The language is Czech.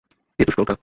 Je tu školka.